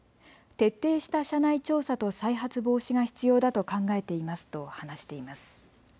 徹底した社内調査と再発防止が必要だと考えていますと話しています。